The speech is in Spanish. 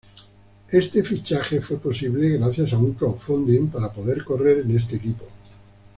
Este fichaje fu posible gracias a un Crowdfunding para poder correr en este equipo.